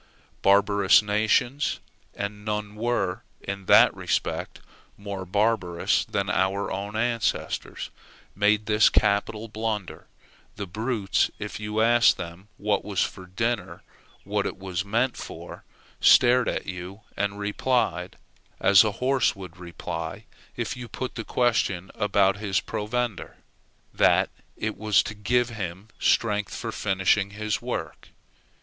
Barbarous nations, and none were, in that respect, more barbarous than our own ancestors, made this capital blunder; the brutes, if you asked them what was the use of dinner, what it was meant for, stared at you and replied as a horse would reply if you put the same question about his provender that it was to give him strength for finishing his work!